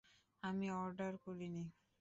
আমি অর্ডার করিনি।